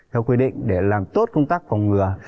theo quy định để làm tốt công tác phòng ngừa